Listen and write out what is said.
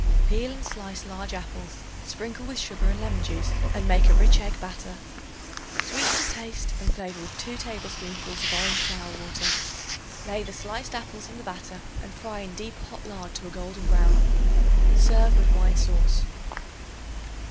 Peel and slice large apples; sprinkle with sugar and lemon juice and make a rich egg batter. Sweeten to taste and flavor with 2 tablespoonfuls of orange flower water. Lay the sliced apples in the batter and fry in deep hot lard to a golden brown. Serve with wine sauce.